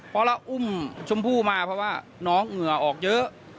เพราะเราอุ้มชมพู่มาเพราะว่าน้องเหงื่อออกเยอะ